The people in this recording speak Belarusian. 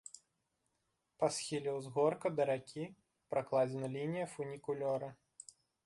Па схіле ўзгорка, да ракі, пракладзена лінія фунікулёра.